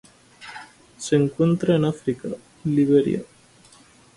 Se encuentran en África: Liberia.